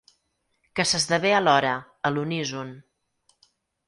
Que s'esdevé alhora, a l'uníson.